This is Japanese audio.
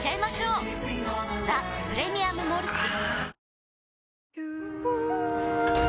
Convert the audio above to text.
「ザ・プレミアム・モルツ」